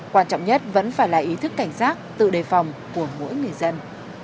quan trọng nhất vẫn phải là ý thức cảnh giác tự đề phòng của mỗi người dân